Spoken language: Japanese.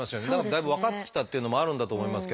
だいぶ分かってきたっていうのもあるんだと思いますけど。